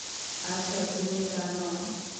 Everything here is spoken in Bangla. আচ্ছা, তুমি জানো?